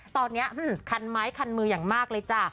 ตอนนี้คันไม้คันมืออย่างมากเลยจ้ะ